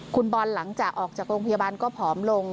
คุณบอลหลังจากออกจากโรงพยาบาลก็ผอมลง